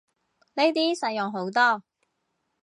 呢啲實用好多